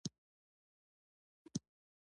د بنسټپالنې پل په ښکاره ووینو.